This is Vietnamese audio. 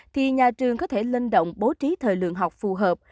thì nhà trường có thể linh động bố trí thời lượng học phù hợp